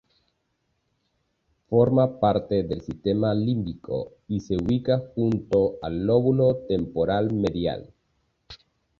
Forma parte del sistema límbico y se ubica junto al lóbulo temporal medial.